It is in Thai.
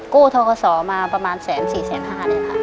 กู้ทะกะสอมาประมาณแสนสี่แสนห้าเนี่ยครับ